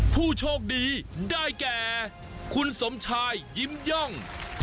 ผู้โชคดีได้แก่คุณสมชายยิ้มย่อง